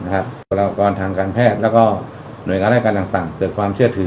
บุคลากรทางการแพทย์แล้วก็หน่วยงานรายการต่างเกิดความเชื่อถือ